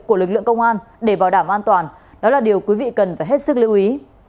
của lực lượng công an để bảo đảm an toàn đó là điều quý vị cần phải hết sức lưu ý